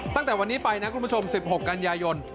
ตั้งแต่วันนี้ไปนะคุณผู้ชม๑๖กันยายน